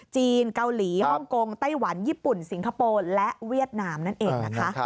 จีนเกาหลีฮ่องกงไต้หวันญี่ปุ่นสิงคโปร์และเวียดนามนั่นเองนะคะ